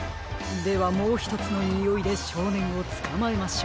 ではもうひとつのにおいでしょうねんをつかまえましょうか。